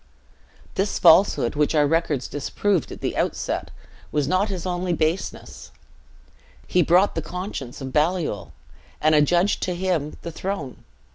This falsehood, which our records disproved at the outset, was not his only baseness; he bought the conscience of Baliol, and adjudged to him the throne.